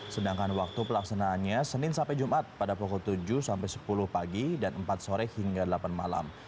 sedangkan waktu pelaksanaannya senin sampai jumat pada pukul tujuh sampai sepuluh pagi dan empat sore hingga delapan malam